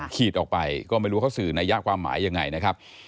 ขีดออกไปก็ไม่รู้ว่าเขาสื่อนัยยะความหมายยังไงนะครับ